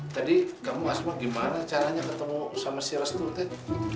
tadi kamu asma gimana caranya ketemu sama si restu teh